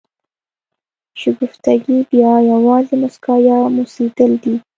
شګفتګي بیا یوازې مسکا یا موسېدل دي.